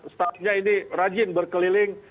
staff nya ini rajin berkeliling